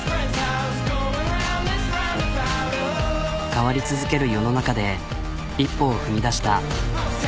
変わり続ける世の中で一歩を踏み出した。